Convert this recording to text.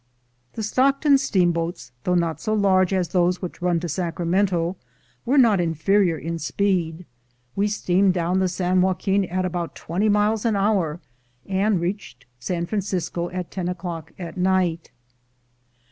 The Stockton steamboats, though not so large as those which run to Sacramento, were not inferior in THE RESOURCEFUL AMERICANS 355 speed. We steamed down the San Joaquin at about twenty miles an hour, and reached San Francisco at ten o'clock at night.